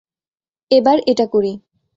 এবার এটা করি।